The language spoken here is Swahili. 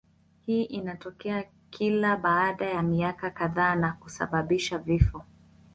Hii inatokea kila baada ya miaka kadhaa na kusababisha vifo.